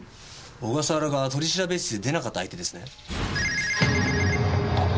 小笠原が取調室で出なかった相手ですね。